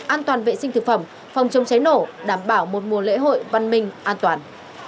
an toàn vệ sinh thực phẩm phòng chống cháy nổ đảm bảo một mùa lễ hội văn minh an toàn